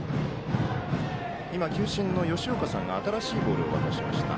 今、球審の吉岡さんが新しいボールを渡しました。